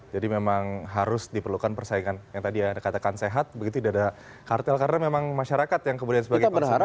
jadi memang harus diperlukan persaingan yang tadi ya katakan sehat begitu tidak ada kartel karena memang masyarakat yang kemudian sebagai konsumen diwujudkan